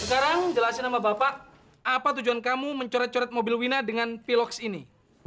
sekarang jelasin sama bapak apa tujuan kamu mencoret coret mobil wina dengan piloks ini